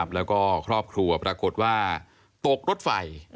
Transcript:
แล้วก็ครอบครัวปรากฏว่าตกรถไฟ